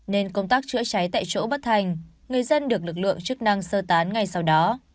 nên công tác chữa cháy tại chỗ bất thành người dân được lực lượng chức năng sơ tán ngay sau đó